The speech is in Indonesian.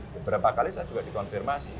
beberapa kali saya juga dikonfirmasi